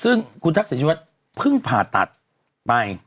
ซึ่งคุณทักษิณชีวิตเพิ่งผ่าตัดไป